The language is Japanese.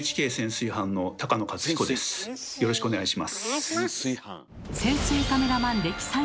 よろしくお願いします。